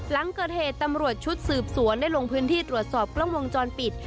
หลังเกิดเหตุตำรวจชุดสืบสวนได้ลงพื้นที่ตรวจสอบกล้องวงจรปิด